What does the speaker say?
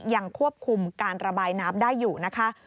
ยังควบคุมการระบายน้ำได้อยู่นะคะ